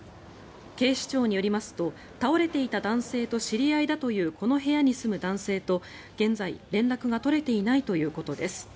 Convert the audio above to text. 警視庁によりますと倒れていた男性と知り合いだというこの部屋に住む男性と現在、連絡が取れていないということです。